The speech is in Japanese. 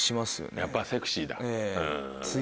やっぱセクシーだ。